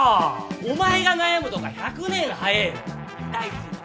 お前が悩むとか１００年早ぇの。